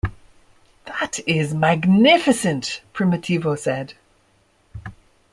'That is magnificent,' Primitivo said.